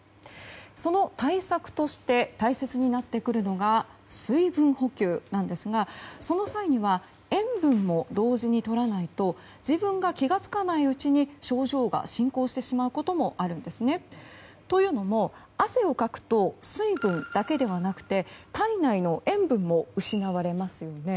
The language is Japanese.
その対策として大切になってくるのが水分補給なんですがその際には塩分も同時にとらないと自分が気が付かないうちに症状が進行してしまうこともあるんですね。というのも汗をかくと水分だけではなくて体内の塩分も失われますよね。